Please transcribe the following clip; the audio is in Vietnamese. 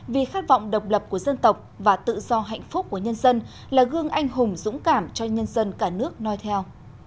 vì khát vọng độc lập của dân tộc và tự do hạnh phúc của nhân dân là gương anh hùng dũng cảm cho nhân dân cả nước nói theo